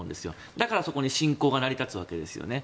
だから、そこに侵攻が成り立つわけですよね。